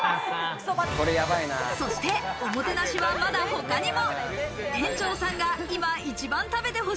そしておもてなしはまだ他にも。